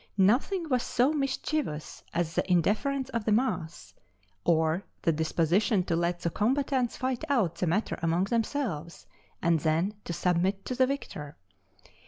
Nothing was so mischievous as the indifference of the mass, or their disposition to let the combatants fight out the matter among themselves, and then to submit to the victor.